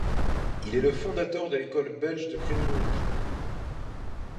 Il est le fondateur de l'École belge de Criminologie.